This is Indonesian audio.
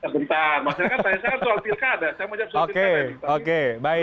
bentar saya kan tanya soal pilkada saya mau jawab soal dpr ri